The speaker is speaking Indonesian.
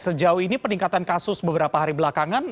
sejauh ini peningkatan kasus beberapa hari belakangan